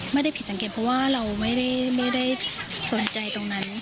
ไม่ได้ผิดสังเกตเพราะว่าเราไม่ได้สนใจตรงนั้น